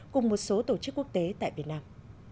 cùng một số tổ chức quốc tế tại việt nam